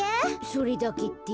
それだけって？